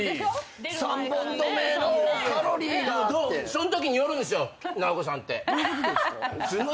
そんときによるんですよナオコさんって。